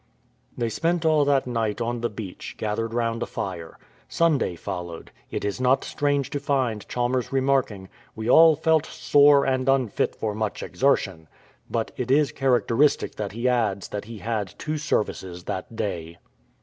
They spent all that night on the beach, gathered round a fire. Sunday followed. It is not strange to find Chalmers remarking, "We all felt sore and unfit for much exertion." But it is characteristic that he adds that he had two services that day.